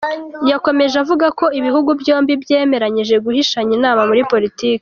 Yakomeje avuga ko ibihugu byombi byemeranyije kugishanya inama muri poltiki.